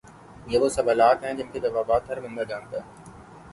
یہ وہ سوالات ہیں جن کے جوابات ہر بندہ جانتا ہے